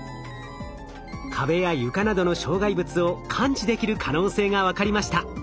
壁や床などの障害物を感知できる可能性が分かりました。